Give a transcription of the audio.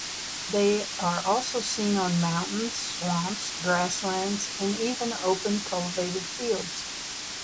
They are also seen on mountains, swamps, grasslands, and even open cultivated fields.